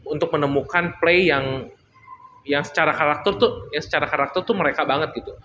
untuk menemukan play yang secara karakter tuh mereka banget gitu